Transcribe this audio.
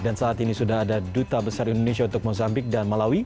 saat ini sudah ada duta besar indonesia untuk mozambik dan malawi